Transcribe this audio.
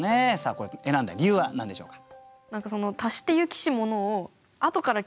これ選んだ理由は何でしょうか。